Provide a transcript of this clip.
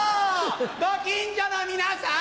ご近所の皆さん！